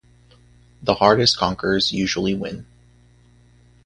The hardest conkers usually win.